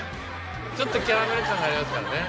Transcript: ちょっとキャラメル感がありますからね。